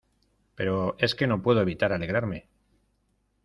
pero es que no puedo evitar alegrarme.